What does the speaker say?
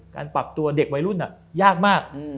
การปรับตัวเด็กวัยรุ่นยากมาก